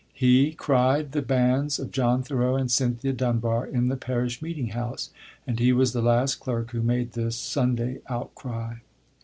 He cried the banns of John Thoreau and Cynthia Dunbar in the parish meeting house; and he was the last clerk who made this Sunday outcry.